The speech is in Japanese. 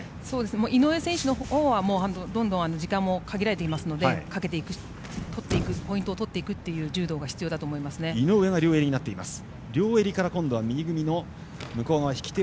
井上選手のほうはどんどん時間も限られてますのでかけていく、ポイントを取っていく柔道が必要だと思いますね。